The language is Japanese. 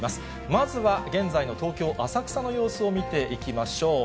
まずは現在の東京・浅草の様子を見ていきましょう。